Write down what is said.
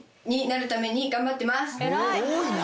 え多いな。